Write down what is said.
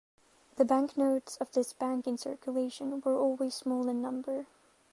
The banknotes of this bank in circulation were always small in number.